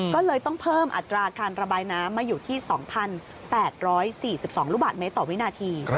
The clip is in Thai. ก็เลยต้องเพิ่มอัตราการระบายน้ำมาอยู่ที่๒๘๔๒ลูกบาทเมตรต่อวินาที